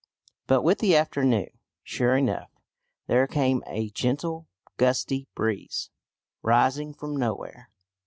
But with the afternoon, sure enough, there came a gentle gusty breeze, rising from nowhere.